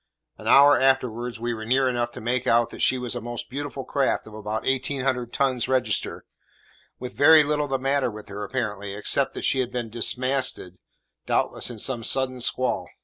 An hour afterwards we were near enough to make out that she was a most beautiful craft of about eighteen hundred tons register, with very little the matter with her apparently, except that she had been dismasted, doubtless in some sudden squall.